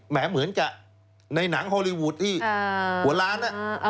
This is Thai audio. เหมือนกับในหนังฮอลลีวูดที่หัวล้าน